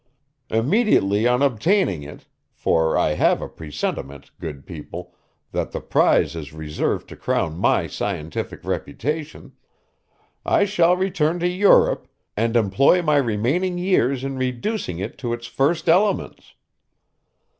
'Immediately on obtaining it for I have a presentiment, good people, that the prize is reserved to crown my scientific reputation I shall return to Europe, and employ my remaining years in reducing it to its first elements.